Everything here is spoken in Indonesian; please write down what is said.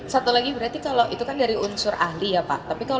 satu lagi berarti kalau itu kan dari unsur ahli ya pak